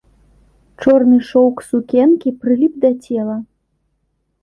Чорны шоўк сукенкі прыліп да цела.